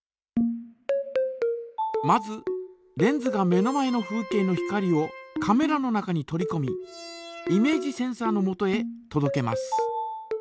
まずレンズが目の前の風景の光をカメラの中に取りこみイメージセンサのもとへとどけます。